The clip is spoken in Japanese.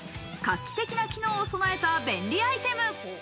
画期的な機能を備えた便利アイテム。